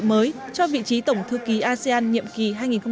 mới cho vị trí tổng thư ký asean nhiệm kỳ hai nghìn một mươi tám hai nghìn hai mươi hai